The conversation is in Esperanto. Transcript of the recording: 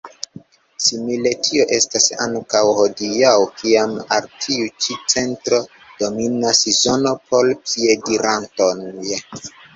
Simile tio estas ankaŭ hodiaŭ, kiam al tiu ĉi centro dominas zono por piedirantoj.